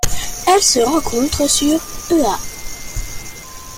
Elle se rencontre sur ʻEua.